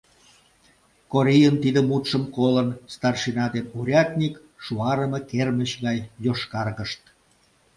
Корийын тиде мутшым колын, старшина ден урядник шуарыме кермыч гай йошкаргышт.